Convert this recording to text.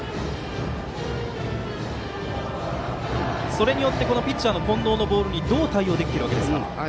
それによってピッチャーの近藤のボールにどう対応できているわけですか？